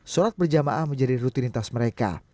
sholat berjamaah menjadi rutinitas mereka